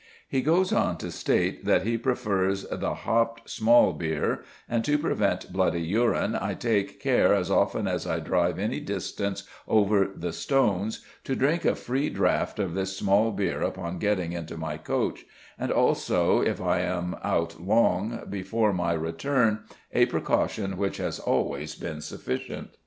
He goes on to state that he prefers the "hopped small beer," and "to prevent bloody urine I take care as often as I drive any distance over the stones to drink a free draught of this small beer upon getting into my coach, and also, if I am out long, before my return, a precaution which has always been sufficient."